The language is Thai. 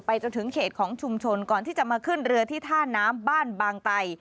จนถึงเขตของชุมชนก่อนที่จะมาขึ้นเรือที่ท่าน้ำบ้านบางไต